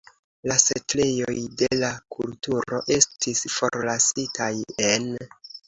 La setlejoj de la kulturo estis forlasitaj en.